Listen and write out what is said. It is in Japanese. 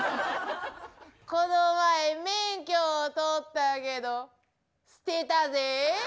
この前免許を取ったけど捨てたぜぇ。